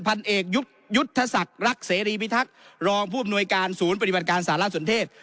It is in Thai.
พันเอกยุทธศักดิ์รักเสรีพิทักษ์รองผู้อำนวยการศูนย์ปฏิบัติการสารสนเทศ